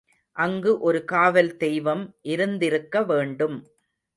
அங்கு ஒரு காவல் தெய்வம் இருந்திருக்க வேண்டும்.